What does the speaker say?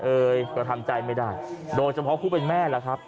เอ่ยก็ทำใจไม่ได้โดยเฉพาะผู้เป็นแม่ล่ะครับ